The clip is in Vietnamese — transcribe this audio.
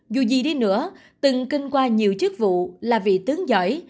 dù gì đi nữa từng kinh qua nhiều chức vụ là vị tướng giỏi